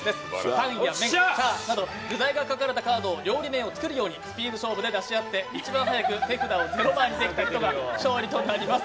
タンやメン、チャーなど具材が書かれたカードを料理名を作るようにスピード勝負で出し合って一番早く手札を０枚にできた人が勝利となります。